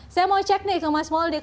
saya mau cek nih ke mas mouldie